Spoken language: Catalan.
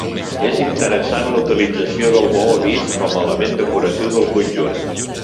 És interessant la utilització del maó vist com a element decoratiu del conjunt.